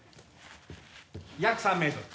約３メートル。